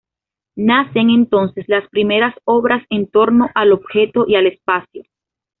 Nacen entonces las primeras obras en torno al objeto y al espacio.